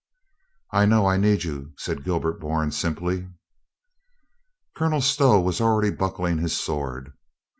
"I know I need you," said Gilbert Bourne simply. Colonel Stow was already buckling his sword.